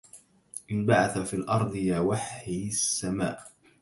انبعث في الأرض يا وحي السماء